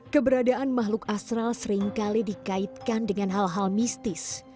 keberadaan makhluk astral seringkali dikaitkan dengan hal hal mistis